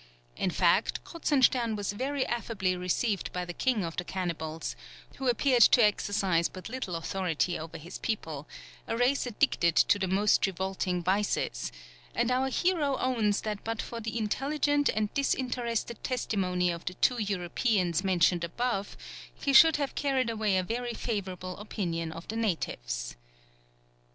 In fact Kruzenstern was very affably received by the king of the cannibals, who appeared to exercise but little authority over his people, a race addicted to the most revolting vices, and our hero owns that but for the intelligent and disinterested testimony of the two Europeans mentioned above he should have carried away a very favourable opinion of the natives.